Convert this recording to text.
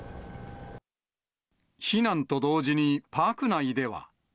避難と同時に、パーク内では。